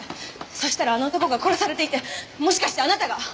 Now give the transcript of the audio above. そしたらあの男が殺されていてもしかしてあなたが？